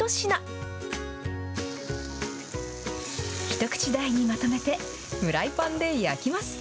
一口大にまとめて、フライパンで焼きます。